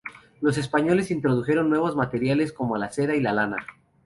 Los españoles introdujeron nuevos materiales como la seda y la lana.